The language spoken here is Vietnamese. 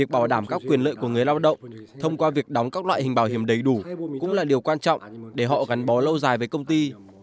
bảo đảm các quyền lợi của người lao động thông qua việc đóng các loại hình bảo hiểm đầy đủ cũng là điều quan trọng để họ gắn bó lâu dài với công ty